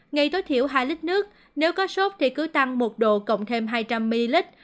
ngay tối thiểu hai lít nước nếu có sốt thì cứ tăng một độ cộng thêm hai trăm linh ml